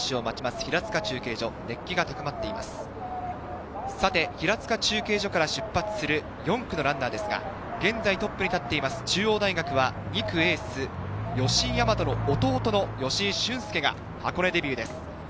平塚中継所から出発する４区のランナーですが、現在トップに立ってる中央大学は２区エース・吉居大和の弟の吉居駿恭、箱根デビューです。